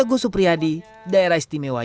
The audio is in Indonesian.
teguh supriyadi daerah istimewa yogyakarta